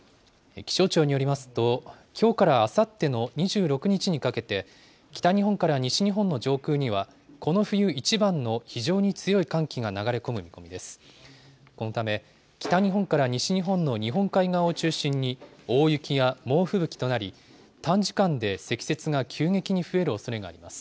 気象庁によりますと、きょうからあさっての２６日にかけて、北日本から西日本の上空には、この冬一番の非常に強い寒気が流れ込む見込みです。